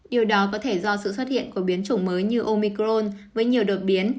điều đó có thể do sự xuất hiện của biến chủng mới như omicron với nhiều đột biến